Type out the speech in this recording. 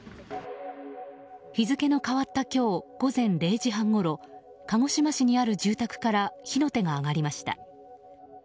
日付の変わった今日午前０時半ごろ鹿児島市にある住宅から火の手が上がりました。